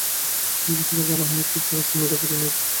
দুই বছর আগে আবাহনীর কোচ থাকার সময়ও রেফারিং নিয়েই ক্ষোভ দেখাতেন বেশি।